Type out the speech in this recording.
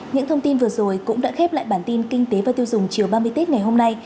những thông tin vừa rồi cũng đã khép lại bản tin kinh tế và tiêu dùng chiều ba mươi tết ngày hôm nay